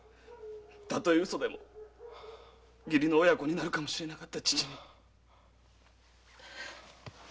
たとえウソでも義理の親子になるかもしれなかった父に。